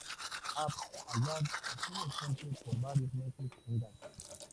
Abd Allah estuvo ausente por varios meses en Gaza.